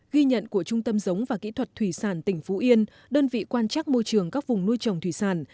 ghi nhận của trung tâm giống và kỹ thuật thủy sản tỉnh phú yên đơn vị quan trắc môi trường các vùng nuôi trồng thủy sản